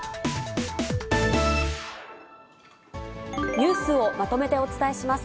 ニュースをまとめてお伝えします。